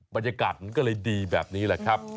บรรยากาศมันก็เลยดีแบบนี้แหละครับ